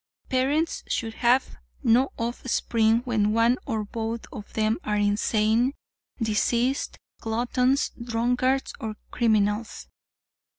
Parents should have no off spring when one or both of them are insane, diseased, gluttons, drunkards or criminals.